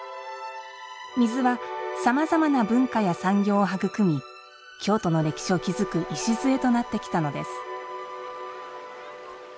水はさまざまな文化や産業を育み京都の歴史を築く礎となってきたのです。